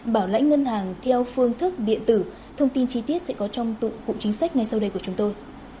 bảo lãnh ngân hàng theo phương thức điện tử thông tin chi tiết sẽ có trong cụm chính sách ngay sau đây của chúng tôi